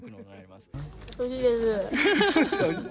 おいしいです。